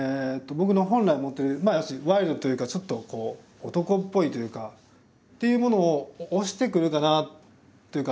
僕の本来持ってる要するにワイルドというかちょっとこう男っぽいというかっていうものを押してくるかなっていうか